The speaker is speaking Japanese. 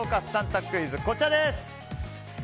３択クイズこちらです。